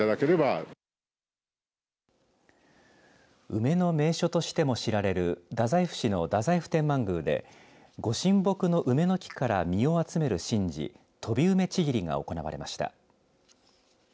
梅の名所としても知られる太宰府市の太宰府天満宮でご神木の梅の木から実を集める神事飛梅ちぎりが行われました。